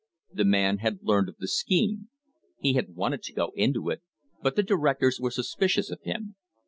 The man had learned of the scheme. He wanted to go into it, but the directors were suspicious of him.